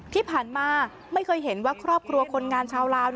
ที่ผ่านมาไม่เคยเห็นว่าครอบครัวคนงานชาวลาว